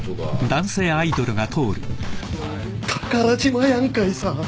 宝島やんかいさ。